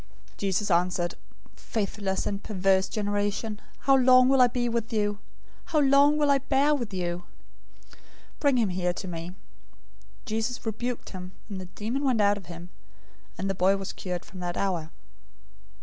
017:017 Jesus answered, "Faithless and perverse generation! How long will I be with you? How long will I bear with you? Bring him here to me." 017:018 Jesus rebuked him, the demon went out of him, and the boy was cured from that hour.